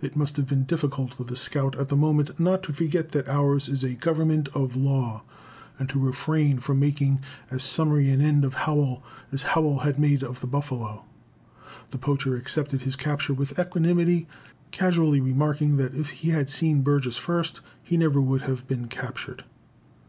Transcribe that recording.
It must have been difficult for the scout at that moment not to forget that ours is a Government of law, and to refrain from making as summary an end of Howell as Howell had made of the buffalo. The poacher accepted his capture with equanimity, casually remarking that if he had seen Burgess first he never would have been captured.